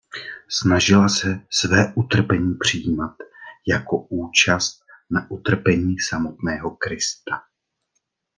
Snažila se své utrpení přijímat jako účast na utrpení samotného Krista.